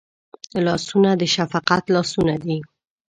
لاسونه د شفقت لاسونه دي